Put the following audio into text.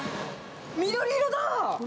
緑色だ！